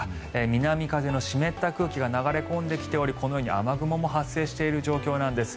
南風の湿った空気が流れ込んできておりこのように雨雲も発生している状況なんです。